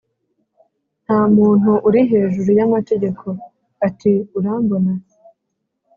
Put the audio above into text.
nta muntu uri hejuru y'amategeko" ati: urambona